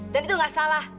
dan itu gak salah